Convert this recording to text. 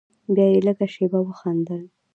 بيا يې لږه شېبه وخندل.